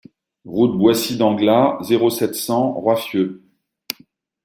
Route Boissy d'Anglas, zéro sept, cent Roiffieux